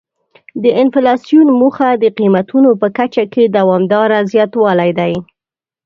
د انفلاسیون موخه د قیمتونو په کچه کې دوامداره زیاتوالی دی.